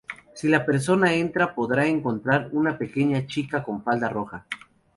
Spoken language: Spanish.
Si la persona entra podrá encontrar a una pequeña chica con falda roja.